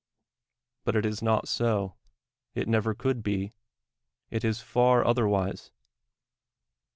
But it is not so — it never could be — it is far otherwise!